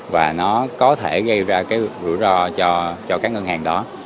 và nó có thể gây ra cái rủi ro cho các ngân hàng đó